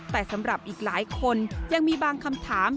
แต่สำหรับอีกหลายคนยังมีบางคำถาม